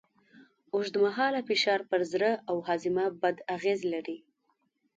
اوږدمهاله فشار پر زړه او هاضمه بد اغېز لري.